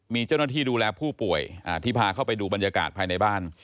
มีเจ้าหน้าที่ดูแลผู้ป่วยที่พาเข้าไปดูบรรยากาศภายในบ้าน